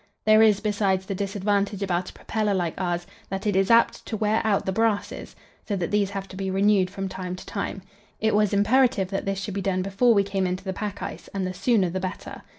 There is, besides, the disadvantage about a propeller like ours, that it is apt to wear out the brasses, so that these have to be renewed from time to time. It was imperative that this should be done before we came into the pack ice, and the sooner the better.